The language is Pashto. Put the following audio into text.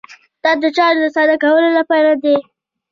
دا د چارو د ساده کولو لپاره دی.